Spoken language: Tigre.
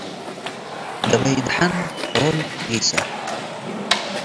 ገበይ ደሐን ሖል ጊሰ።